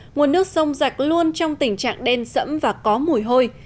nguồn nước sông rạch luôn trong tình trạng đen sẫm và có mùi hôi